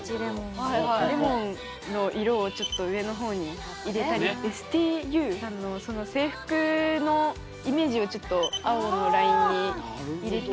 レモンの色をちょっと上の方に入れたりのイメージをちょっと青のラインに入れて。